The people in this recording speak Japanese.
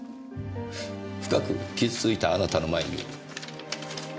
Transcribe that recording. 深く傷ついたあなたの前に。